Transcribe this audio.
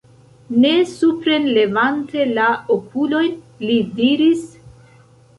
Ne suprenlevante la okulojn, li diris: